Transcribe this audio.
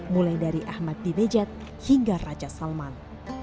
mulai dari ahmad dibejat hingga raja salman